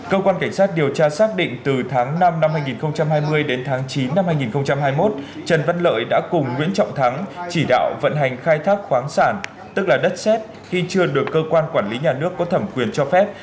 cơ quan cảnh sát điều tra xác định từ tháng năm năm hai nghìn hai mươi đến tháng chín năm hai nghìn hai mươi một trần văn lợi đã cùng nguyễn trọng thắng chỉ đạo vận hành khai thác khoáng sản tức là đất xét khi chưa được cơ quan quản lý nhà nước có thẩm quyền cho phép